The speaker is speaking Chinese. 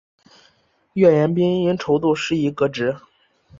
阮廷宾因筹度失宜革职。